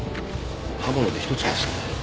刃物で一突きですね。